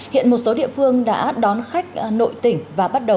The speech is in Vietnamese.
hiện một số địa phương đã đón khách nội tỉnh